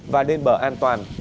và lên bờ an toàn